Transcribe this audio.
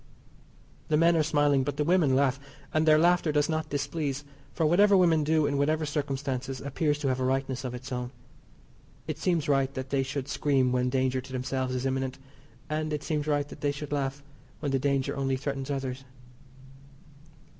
The men are smiling, but the women laugh, and their laughter does not displease, for whatever women do in whatever circumstances appears to have a rightness of its own. It seems right that they should scream when danger to themselves is imminent, and it seems right that they should laugh when the danger only threatens others.